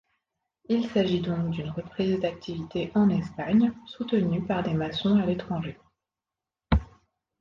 Il s'agit donc d'une reprise d'activité en Espagne soutenue par des maçons à l'étranger.